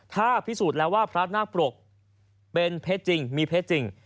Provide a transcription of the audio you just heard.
ถ้าพิสูจน์แล้วว่าพระนาคปรกเป็นเพชรจริงมีเพชรจริง